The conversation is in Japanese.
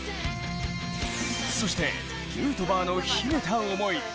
そして、ヌートバーの秘めた思い。